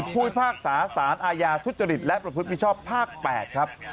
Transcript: พุทธภาคศาสตร์สารอาญาทุจริตและประพฤติผิดชอบภาคแปดครับ